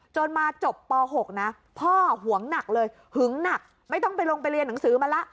มาจบป๖นะพ่อหวงหนักเลยหึงหนักไม่ต้องไปลงไปเรียนหนังสือมาแล้ว